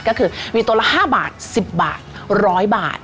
ก็คือมีตัวละ๕บาท๑๐บาท๑๐๐บาท